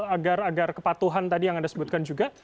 agar agar kepatuhan tadi yang anda sebutkan juga